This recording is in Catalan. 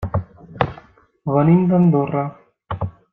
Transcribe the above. Venim d'Andorra.